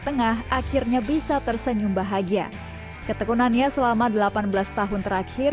tengah akhirnya bisa tersenyum bahagia ketekunannya selama delapan belas tahun terakhir